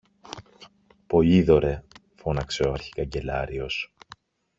Πολύδωρε! φώναξε ο αρχικαγκελάριος.